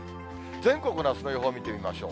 全国のあすの予報を見てみましょう。